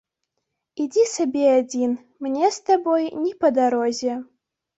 Ідзі сабе адзін, мне з табой не па дарозе.